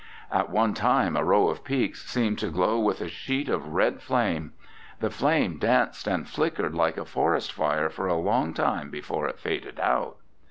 At one time a row of peaks seemed to glow with a sheet of red flame. The flame danced and flickered like a forest fire for a long time before it faded out.